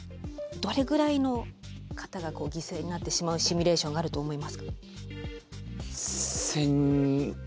どれぐらいの方が犠牲になってしまうシミュレーションがあると思いますか？